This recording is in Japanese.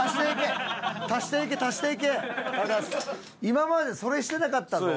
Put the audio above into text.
今までそれしてなかったぞ。